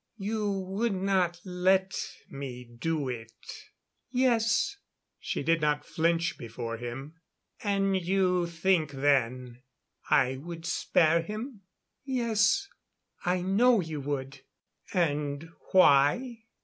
"You would tell me not to do it?" "Yes." She did not flinch before him. "And you think then I would spare him?" "Yes. I know you would." "And why?"